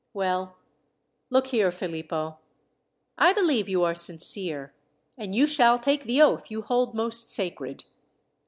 "Well, look here, Philippo. I believe you are sincere, and you shall take the oath you hold most sacred."